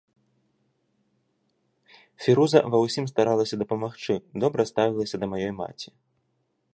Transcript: Фіруза ва ўсім старалася дапамагчы, добра ставілася да маёй маці.